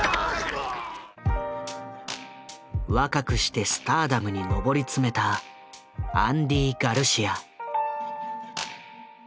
若くしてスターダムに上り詰めたアンディ・ガルシア。